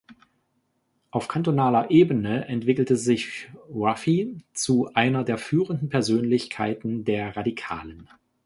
Auf kantonaler Ebene entwickelte sich Ruffy zu einer der führenden Persönlichkeiten der Radikalen.